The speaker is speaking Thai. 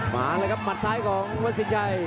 มาเลยครับหมัดซ้ายของวัดสินชัย